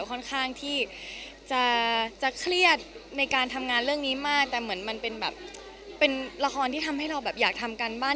ค่อนข้างที่จะเครียดในการทำงานเรื่องนี้มากแต่เหมือนมันเป็นแบบเป็นละครที่ทำให้เราแบบอยากทำการบ้าน